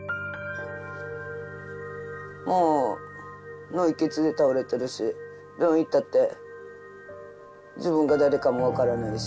もう脳いっ血で倒れてるし病院行ったって自分が誰かも分からないし。